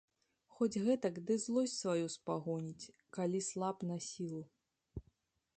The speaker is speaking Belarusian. Хоць гэтак ды злосць сваю спагоніць, калі слаб на сілу.